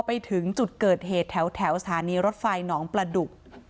ไปถึงจุดเกิดเหตุแถวสถานีรถไฟหนองประดุก